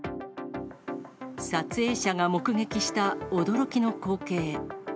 撮影者が目撃した驚きの光景。